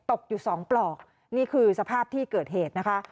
ตกอยู่สองปลอกนี่คือสภาพที่เกิดเหตุนะคะ